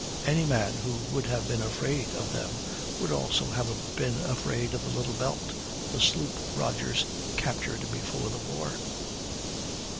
Any man who would have been afraid of them would also have been afraid of the Little Belt, the sloop Rodgers captured before the war.